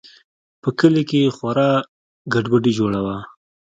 په کلي کښې خورا گډوډي جوړه وه.